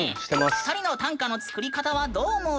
２人の短歌の作り方はどう思う？